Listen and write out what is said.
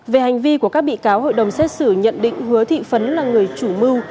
về hành vi của các bị cáo hội đồng xét xử nhận định hứa thị phấn là người chủ mưu